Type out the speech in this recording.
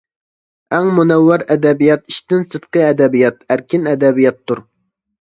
ئەڭ مۇنەۋۋەر ئەدەبىيات ئىشتىن سىرتقى ئەدەبىيات، ئەركىن ئەدەبىياتتۇر.